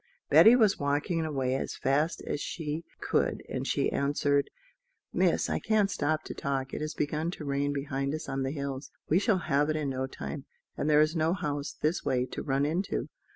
Betty was walking away as fast as she could, and she answered: "Miss, I can't stop to talk it has begun to rain behind us on the hills; we shall have it in no time; and there is no house this way to run into."